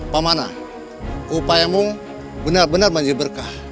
pamana upayamu benar benar menjadi berkah